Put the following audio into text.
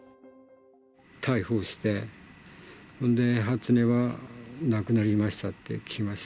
逮捕して、初音は亡くなりましたって聞きました。